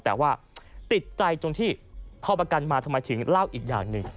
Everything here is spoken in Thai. แต่ว่าติดใจตรงที่พอประกันมาทำไมถึงเล่าอีกอย่างหนึ่ง